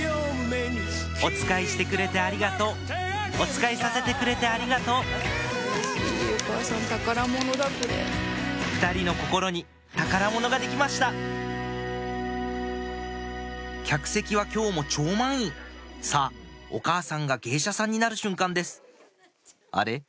おつかいしてくれてありがとうおつかいさせてくれてありがとう２人の心に宝物ができました客席は今日も超満員さぁお母さんが芸者さんになる瞬間ですあれ？